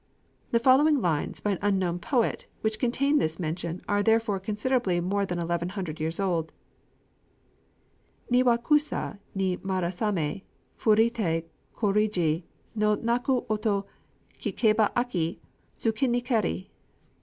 The following lines, by an unknown poet, which contain this mention, are therefore considerably more than eleven hundred years old: Niwa kusa ni Murasamé furité Kōrogi no Naku oto kikeba Aki tsukinikeri.